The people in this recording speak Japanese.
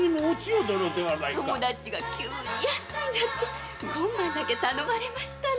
友達が急に休んじゃって今晩だけ頼まれましたの。